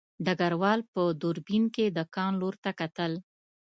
ډګروال په دوربین کې د کان لور ته کتل